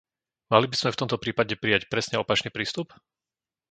Mali by sme v tomto prípade prijať presne opačný prístup?